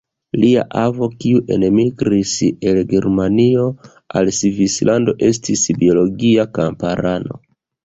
Lia avo, kiu enmigris el Germanio al Svislando estis biologia kamparano.